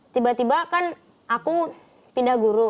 tiba tiba kan aku pindah guru